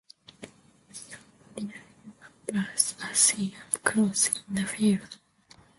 Some real human births are seen up-close in the film.